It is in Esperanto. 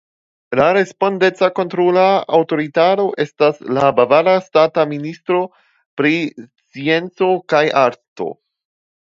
La respondeca kontrola aŭtoritato estas la Bavara Ŝtata Ministerio pri Scienco kaj Arto.